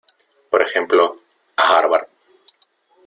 por ejemplo, a Harvard.